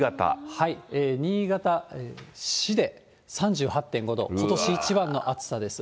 新潟市で３８．５度、ことし一番の暑さです。